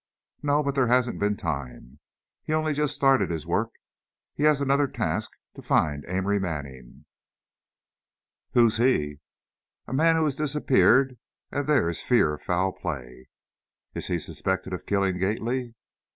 "No, but there hasn't been time. He's only just started his work. He has another task; to find Amory Manning." "Who's he?" "A man who has disappeared, and there is fear of foul play." "Is he suspected of killing Gately?"